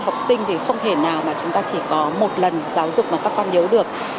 học sinh thì không thể nào mà chúng ta chỉ có một lần giáo dục mà các con nhớ được